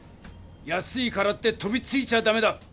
安いからって飛びついちゃダメだ！